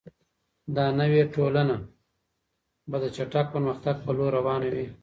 دا نوې ټولنه به د چټک پرمختګ په لور روانه وي.